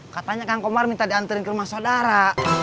katanya kang komar minta diantarin ke rumah saudara